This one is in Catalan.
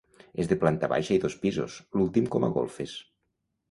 És de planta baixa i dos pisos, l'últim com a golfes.